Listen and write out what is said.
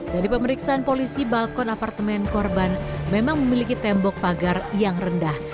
dari pemeriksaan polisi balkon apartemen korban memang memiliki tembok pagar yang rendah